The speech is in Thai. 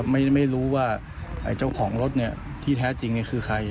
ไม่รู้ว่าเจ้าของรถที่แท้จริงคือใคร